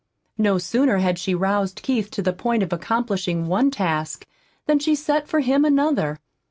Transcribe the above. No sooner had she roused Keith to the point of accomplishing one task than she set for him another.